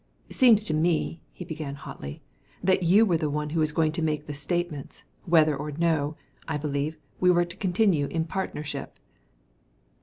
"Seems to me," he began hotly, "that you were the one who was going to make the statements ' whether or no,' I believe, we were to continue in partnership."